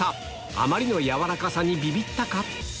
あまりの軟らかさにビビったか？